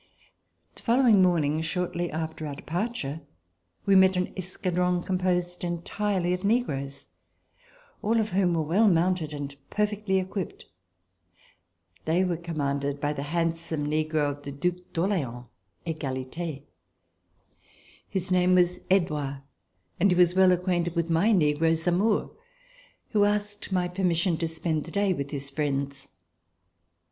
The following morning, shortly after our de parture, we met an escadron composed entirely of negroes, all of whom were well mounted and perfectly equipped. They were commanded by the handsome negro of the Due d'Orleans (Egalite). His name was Edouard and he was well acquainted with my negro, Zamore, who asked my permission to spend the day with his friends.